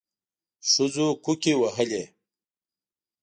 ښځو کوکي وهلې.